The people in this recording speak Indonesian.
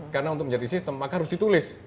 karena untuk menjadi sistem maka harus ditulis